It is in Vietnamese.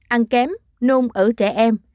một mươi ăn kém nôn ở trẻ em